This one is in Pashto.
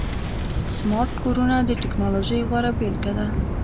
سمارټ کورونه د ټکنالوژۍ غوره بيلګه ده.